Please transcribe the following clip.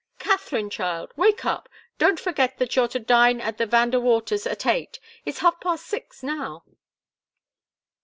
"Katharine, child! Wake up! Don't forget that you're to dine at the Van De Waters' at eight! It's half past six now!"